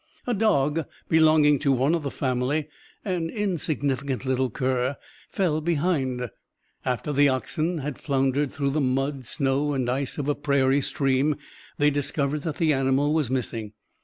A dog belonging to one of the family an insignificant little cur fell behind. After the oxen had floundered through the mud, snow and ice of a prairie stream, they discovered that the animal was missing.